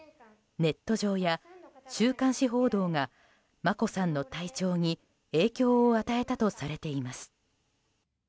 ネット上や週刊誌報道が眞子さんの体調に影響を与えたとされています。